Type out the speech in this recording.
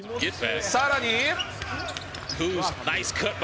さらに。